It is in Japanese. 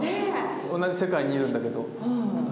同じ世界にいるんだけど。